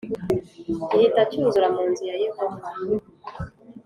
gihita cyuzura mu nzu ya Yehova